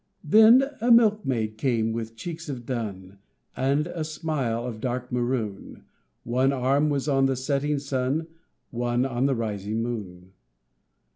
Then a milkmaid came with cheeks of dun And a smile of dark maroon, One arm was on the setting sun, One on the rising moon.